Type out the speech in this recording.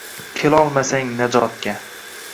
Kelolmasang najotga?!